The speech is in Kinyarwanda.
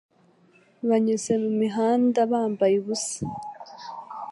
Banyuze mu mihanda bambaye ubusa.